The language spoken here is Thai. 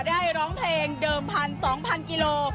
ได้ร้องเพลงเดิมพันสองพันกิโล